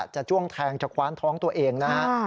จ้วงแทงจะคว้านท้องตัวเองนะฮะ